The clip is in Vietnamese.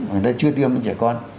người ta chưa tiêm cho trẻ con